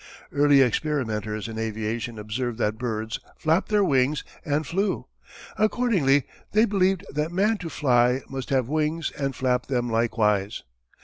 Early experimenters in aviation observed that birds flapped their wings and flew. Accordingly they believed that man to fly must have wings and flap them likewise.